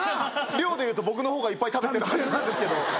量でいうと僕のほうがいっぱい食べてるはずなんですけど。